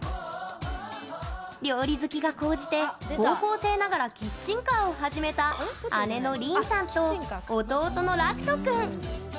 料理好きが高じて高校生ながらキッチンカーを始めた姉のりんさんと弟のらくと君。